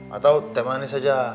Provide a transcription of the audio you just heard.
atau teh manis aja